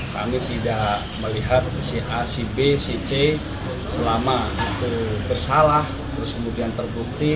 kami tidak melihat si a si b si c selama bersalah terus kemudian terbukti